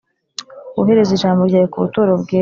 wohereze ijambo ryawe ku buturo bwera,